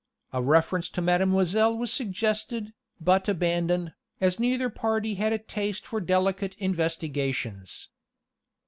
A reference to Mademoiselle was suggested, but abandoned, as neither party had a taste for delicate investigations.